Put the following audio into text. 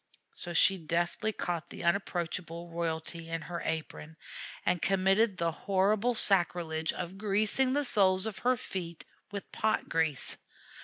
So she deftly caught the unapproachable royalty in her apron, and committed the horrible sacrilege of greasing the soles of her feet with pot grease.